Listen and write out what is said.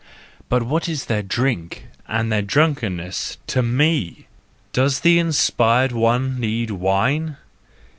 But what is their drink and their drunkenness to 7ne J Does the inspired one need wine